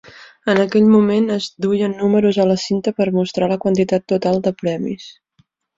En aquell moment, es duien números a la cinta per mostrar la quantitat total de premis.